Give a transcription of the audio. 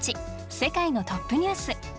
世界のトップニュース」。